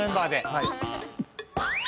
はい。